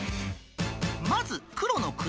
まず黒の車。